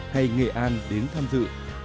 hay nghệ an đến tham dự